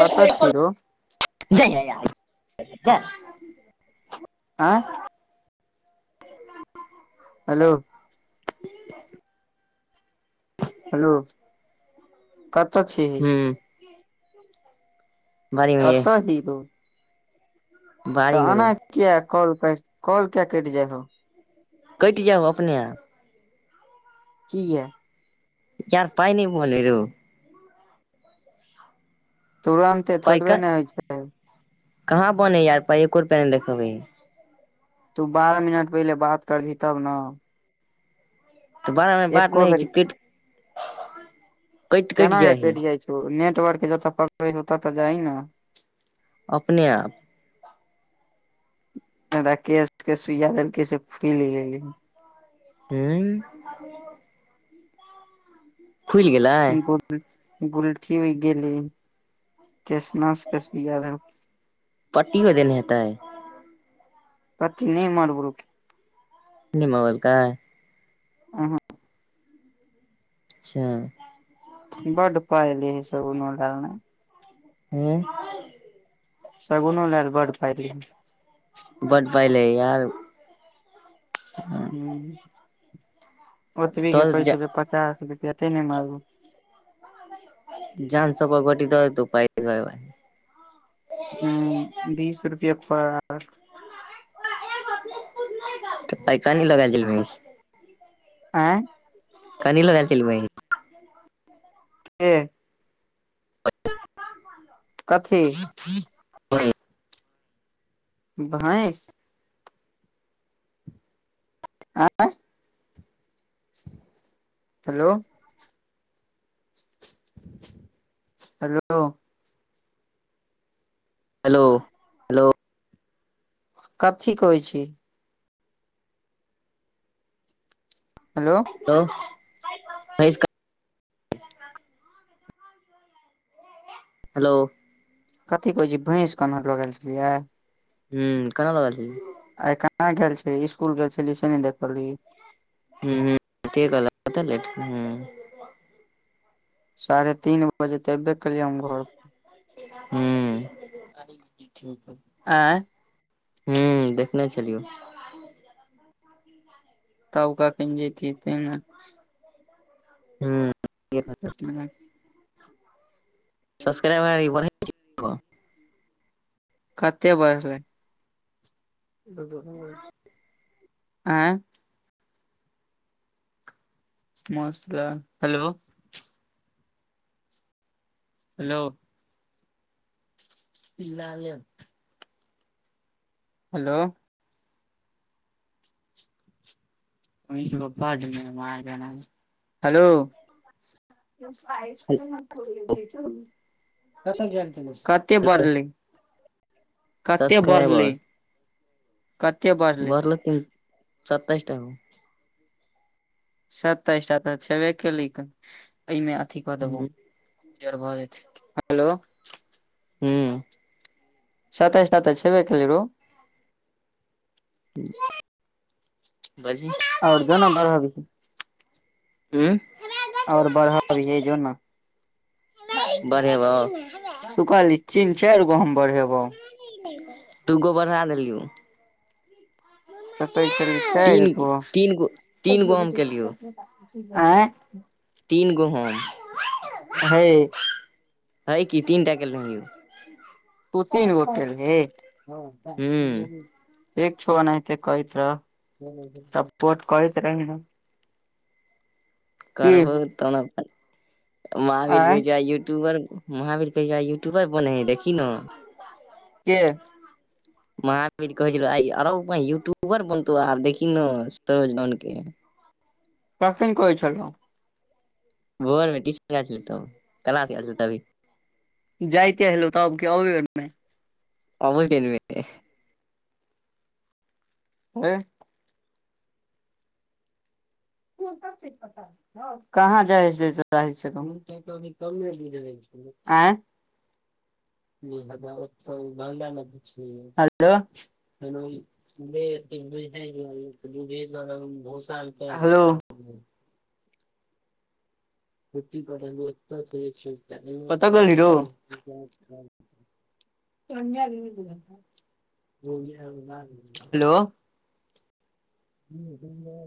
कतऽ छी रो [unintelligible] आँ हलो [inaudible] हलो कतऽ छिही [inaudible] ये कतऽ हिरो तऽ बाड़ीमे रौ एना किया कॉल कैट कॉल किया कैट जाय हो कैट जाए हो अपने आप किया यार पाय नय बहले रो तुरन्ते पाइ थोड़बे क नऽ होय छै कहाँ बनै यऽ यार पाय एको रुपया नय देखेबै है तू बारह मिनट पहिले बात करबही तब नऽ तऽ बारह मिनट बात एको नय होइ बेर छै कैट केना केँ कइट जाइ छौ नेटवर्क जतऽ पकड़ै छै तेतऽ जाही नऽ अपने आप राकेशट केँ सुइया देलकै से फुइल गेलै है हुँ [inaudible] फुइल गेल बहुते गुलठी गुलठी उइग गेली टेसनस केँ सुईया देलकेँ पट्टी मे देने हेतै कथी नय मारबेलैकै नय मरबेलकै ऊ हुँ अच्छा बड पाय लई हइ सब उन्होडा मे हुँ सगुनो लेल बड्ड पाय लैय हई बड्ड पाय लै हई यार हुँ ओतबी के तोहर कहे जा छले पचास रुपआ ते ने मारबू जान [unintelligible] हुँ बीस रुपआ पर [unintelligible] तऽ आय कानी लऽ गैल छलै मिस आँय कनी लगै छल बै ए [inaudible] कथी [unintelligible] भौँस आँ [unintelligible] हेलो हेलो हेलो हेलो कथी कहै छी हेलो हेलो भौँस कऽ हेलो कथी कहैय छिही भैँस कनहर लऽ गैल छलियै हुँ कना लऽ गलै छलही आय कहाँ गेल छले इसकुल गेल छलीये से नय देखलही [unintelligible] साढ़े तीन बजे तऽ एबे केलिये हम घर हुँ आँय हुँ देखने छलियौ तब कखैन जेतहि तैय नऽ हुँ [unintelligible] सबस्क्राब अरी बरहै छै [unintelligible] कते बरहलै आँय मौस लऽ हेलो हेलो [unintelligible] हेलो हेलो [inaudible] [inaudible] कते बढ़ले कते बढ़ले सब्सक्राइबर कते बऽ बरखिन सताइस टा ओ सत्तइस छबे केली कन एहिमे अथी कऽ देबौ किलियर भऽ जेते हेलो हुँ सत्ताइस टा तऽ छबे करे रउ बाजही आओर जो नऽ बड़हबही हूँ आओर बराहबीहे जो नऽ बढ़ेबौ तू कहाली चीन चाइर गो हम बरहेबो दूगो बढ़ा लेलियौ तु तऽ कहै छलही चाइर तीन गो तीन गो तीन गो हम केलियौ तीन गो हम अ हैय है की तीनटा केल रहियै तु तीन गो केलही हूँ ठिक छो अहनाइते करैत रह तब पोट करैत रही नऽ करबो तन अपन महावीर कहै आँय छै आय यूट्यूबर महावीर कहै आय यूट्यूबर बनै हय देखि नऽ केँ महावीर कहै छलै आय अरो बाइह यूट्यूबर बनतो आब देखी नऽ सरोज डाउन केँ कखैन कहै छलो भोर मे टीशन जाय छलिये तब कलास गैल छलिये तभि जइते हलौ तब की अबै बेर मे अबै बेर मे हय कहाँ जाइ छलहि तऽ कहै छलो कनी कमे दुध होइ छले आई [unintelligible] हलो हलो कतऽ गेलही रौ हेलो [inaudible]